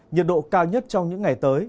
nhiệt độ cao nhất trong những ngày tới